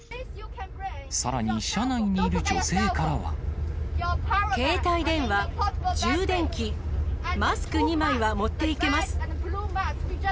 さらに、車内にいる女性から携帯電話、充電器、マスク２枚は持っていけます。